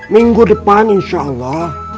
minggu depan insya allah